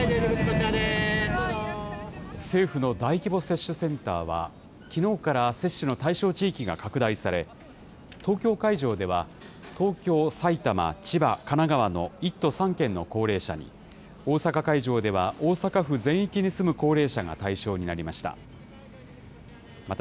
政府の大規模接種センターは、きのうから接種の対象地域が拡大され、東京会場では東京、埼玉、千葉、神奈川の１都３県の高齢者に、大阪会場では、大阪府全域に住む高齢者が対象になりました。